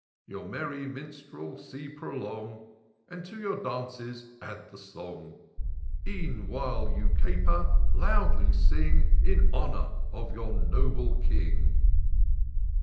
Your merry minstrel^ prolong, And to your dances add the song : E'en while you caper, loudly sing. In honour of your noble King."